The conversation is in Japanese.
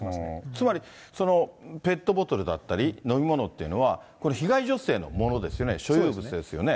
つまり、ペットボトルだったり、飲み物っていうのは被害女性のものですよね、所有物ですよね。